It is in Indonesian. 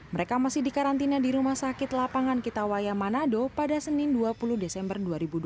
mereka masih dikarantina di rumah sakit lapangan kitawaya manado pada senin dua puluh desember dua ribu dua puluh